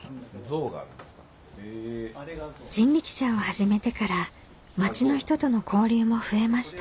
人力車を始めてから町の人との交流も増えました。